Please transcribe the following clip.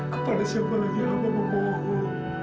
kepada siapa lagi yang allah memohon